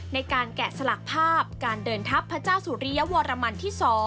แกะสลักภาพการเดินทัพพระเจ้าสุริยวรมันที่๒